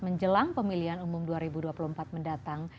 menjelang pemilihan umum dua ribu dua puluh empat mendatang